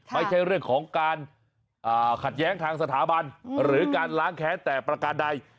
ไม่ใช่เรื่องของการขัดแย้งทางสถาบันหรือการล้างแค้นแต่ประการใด